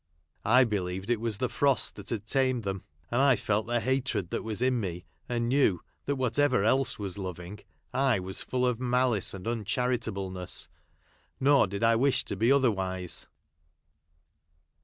I believed it was the frost that had tamed them ; and I felt the hatred that was in me, and knew that what ever else was loving, I was full of malice and uncharitableness, nor did I wish to be other wise.